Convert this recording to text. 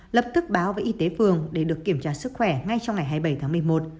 lập tức báo với y tế phường để được kiểm tra sức khỏe ngay trong ngày hai mươi bảy tháng một mươi một